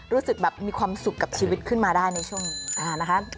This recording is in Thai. รู้สึกแบบมีความสุขกับชีวิตขึ้นมาได้ในช่วงนี้นะคะ